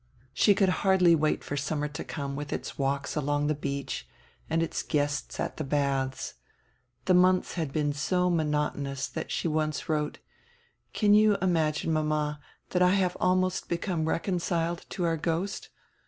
She could hardly wait for summer to come with its walks along the beach and its guests at the baths. * The months had been so monotonous that she once wrote: "Can you imagine, mama, that I have almost become reconciled to our ghost?